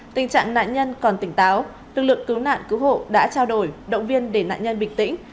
tình trạng nạn nhân còn tỉnh táo lực lượng cứu nạn cứu hộ đã trao đổi động viên để nạn nhân bình tĩnh